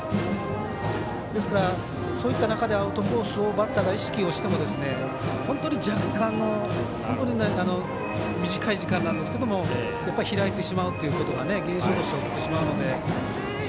ですから、そういった中でアウトコースをバッターが意識しても本当に若干の短い時間なんですが開いてしまうってことが現象として起きてしまうので。